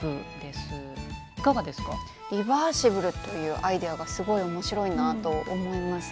リバーシブルというアイデアがすごい面白いなと思います。